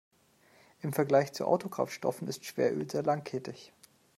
Im Vergleich zu Autokraftstoffen ist Schweröl sehr langkettig.